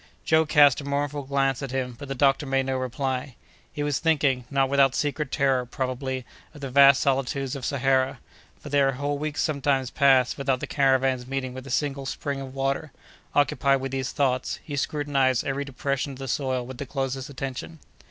Joe cast a mournful glance at him; but the doctor made no reply. He was thinking, not without secret terror, probably, of the vast solitudes of Sahara—for there whole weeks sometimes pass without the caravans meeting with a single spring of water. Occupied with these thoughts, he scrutinized every depression of the soil with the closest attention.